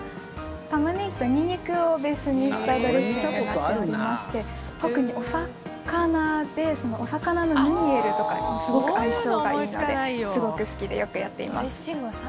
タマネギとニンニクをベースにしたドレッシングになっておりまして特にお魚のムニエルとかすごく相性がいいのですごく好きでよくやっています。